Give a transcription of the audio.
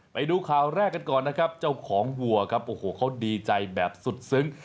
ไปดูข่าวแรกกันก่อนนะครับเจ้าของวัวครับโอ้โหเขาดีใจแบบสุดซึ้ง